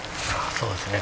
そうですね。